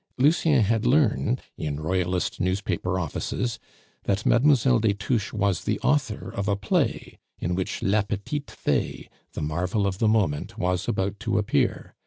Lucien had learned in Royalist newspaper offices that Mlle. des Touches was the author of a play in which La petite Fay, the marvel of the moment was about to appear.